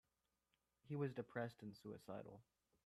He was depressed and suicidal.